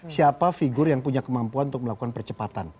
siapa figur yang punya kemampuan untuk melakukan percepatan